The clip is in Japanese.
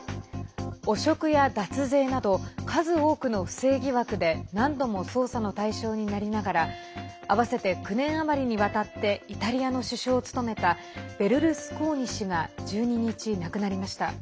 汚職や脱税など数多くの不正疑惑で何度も捜査の対象になりながら合わせて９年余りにわたってイタリアの首相を務めたベルルスコーニ氏が１２日、亡くなりました。